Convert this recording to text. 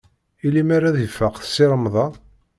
I lemmer ad ifaq Si Remḍan?